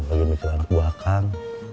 lagi mikir anak buah kan